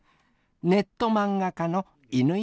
ネット漫画家の犬犬さん。